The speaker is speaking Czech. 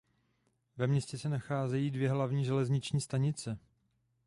Ve městě se nacházejí dvě hlavní železniční stanice.